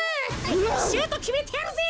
シュートきめてやるぜ！